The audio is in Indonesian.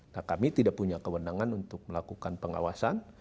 nah kami tidak punya kewenangan untuk melakukan pengawasan